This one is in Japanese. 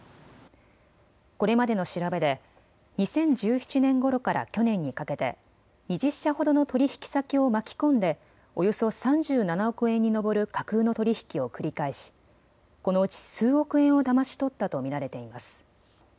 これまでの調べで２０１７年ごろから去年にかけて２０社ほどの取引先を巻き込んでおよそ３７億円に上る架空の取り引きを繰り返しこのうち数億円をだまし取ったと見られています。